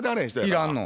いらんの？